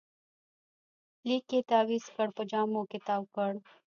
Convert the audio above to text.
لیک یې تاویز کړ، په جامو کې تاوکړ